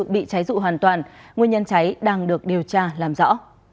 bị trái dụ hoàn toàn nguyên nhân cháy đang được điều tra làm rõ